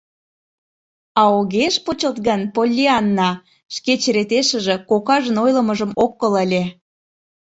А огеш почылт гын, Поллианна, шке черетешыже, кокажын ойлымыжым ок кол ыле.